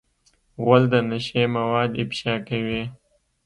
غول د نشې مواد افشا کوي.